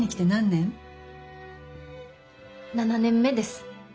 ７年目です。